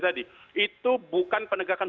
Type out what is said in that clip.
tadi itu bukan penegakan